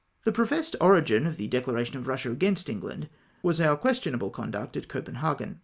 The professed origin of the declaration of Eussia against England was our questionable conduct at Copenhagen.